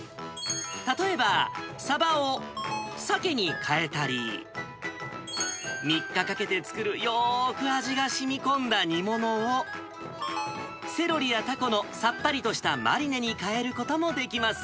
例えば、サバをサケに変えたり、３日かけて作る、よーく味がしみこんだ煮物を、セロリやたこのさっぱりとしたマリネにかえることもできます。